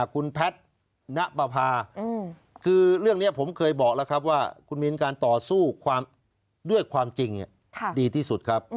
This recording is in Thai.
คุณแพทย์ณปภาคือเรื่องนี้ผมเคยบอกแล้วครับว่าคุณมินการต่อสู้ความด้วยความจริงดีที่สุดครับ